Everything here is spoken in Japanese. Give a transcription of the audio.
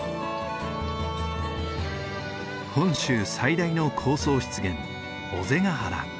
本州最大の高層湿原尾瀬ヶ原。